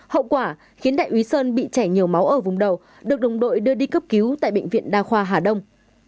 hậu quả khiến đại úy sơn bị chảy nhiều máu ở vùng đầu được đồng đội đưa đi cấp cứu tại bệnh viện đa khoa hà đông